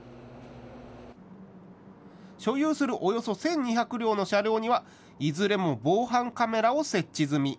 所有するおよそ１２００両の車両にはいずれも防犯カメラを設置済み。